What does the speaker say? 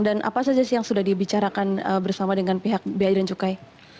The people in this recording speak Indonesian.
apa saja sih yang sudah dibicarakan bersama dengan pihak biaya dan cukai